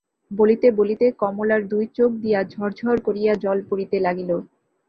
বলিতে বলিতে কমলার দুই চোখ দিয়া ঝর্ ঝর্ করিয়া জল পড়িতে লাগিল।